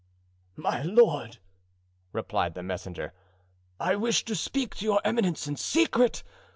"My lord," replied the messenger, "I wish to speak to your eminence in secret.